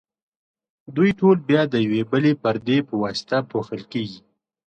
دوی ټول بیا د یوې بلې پردې په واسطه پوښل کیږي.